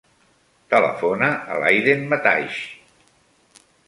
Telefona a l'Aiden Mataix.